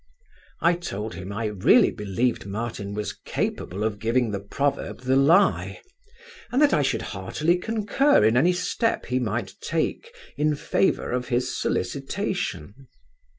I told him I really believed Martin was capable of giving the proverb the lie; and that I should heartily concur in any step he might take in favour of his solicitation.